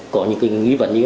có những cái